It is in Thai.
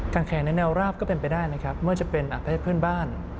การเขยาในแนวราบก็เป็นไปได้เมื่อจะเป็นประเทศเพื่อนบ้าน